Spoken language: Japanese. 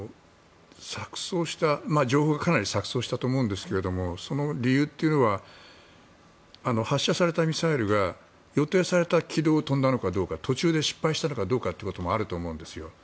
情報がかなり錯そうしたと思うんですがその理由というのは発射されたミサイルが予定された軌道を飛んだのかどうか途中で失敗したのかどうかもあると思うんですよ。